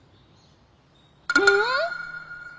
うん？